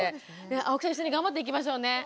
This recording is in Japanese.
青木さん一緒に頑張っていきましょうね。